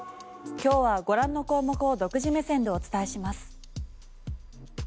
今日はご覧の項目を独自目線でお伝えします。